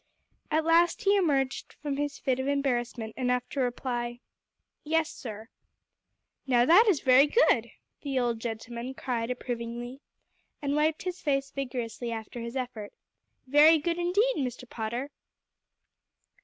At last he emerged from his fit of embarrassment enough to reply, "Yes, sir." "Now that is very good," the old gentleman cried approvingly, and wiped his face vigorously after his effort, "very good indeed, Mr. Potter."